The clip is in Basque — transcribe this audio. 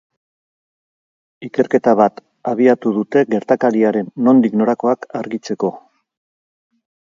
Ikerketa bat abiatu dute gertakariaren nondik norakoak argitzeko.